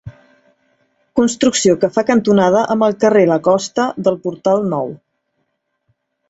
Construcció que fa cantonada amb el carrer la costa del Portal Nou.